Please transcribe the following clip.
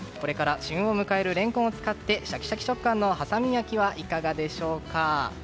旬のレンコンを使ってシャキシャキ食感のはさみ焼きはいかがでしょうか。